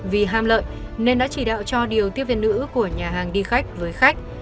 vì ham lợi nên đã chỉ đạo cho điều tiếp viên nữ của nhà hàng đi khách với khách